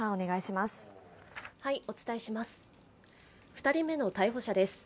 ２人目の逮捕者です。